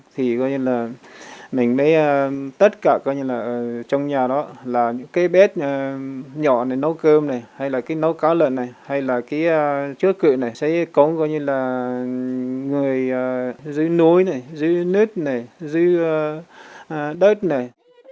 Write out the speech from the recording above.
thì mình mới tất cả trong nhà đó là những cái bếp nhỏ này nấu cơm này hay là cái nấu cá lợn này hay là cái chúa cự này sẽ cống người dưới núi này dưới nước này dưới đất này